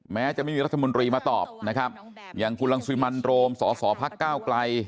แม้จะไม่มีรัฐมนตรีมาตอบอย่างคุณรังสิมันโรมสศภกลัย